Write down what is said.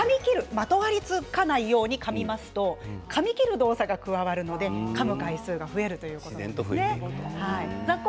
まとわりつかないようにかみますとかみ切る動作が増えるので自然とかむ回数が増えるんです。